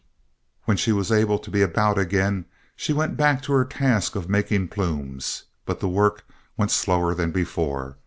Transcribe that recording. When she was able to be about again, she went back to her task of making plumes. But the work went slower than before.